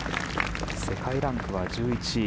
世界ランクは１１位。